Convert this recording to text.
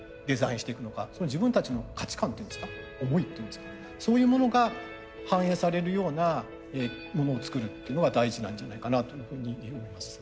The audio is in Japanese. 自分たちの価値観っていうんですか思いっていうんですかそういうものが反映されるようなものを作るっていうのが大事なんじゃないかなというふうに思います。